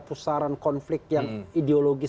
pusaran konflik yang ideologis